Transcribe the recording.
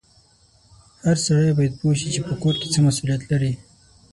هر سړی باید پوه سي چې په کور کې څه مسولیت لري